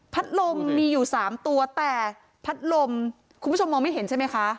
ลมมีอยู่๓ตัวแต่พัดลมคุณผู้ชมมองไม่เห็นใช่ไหมคะ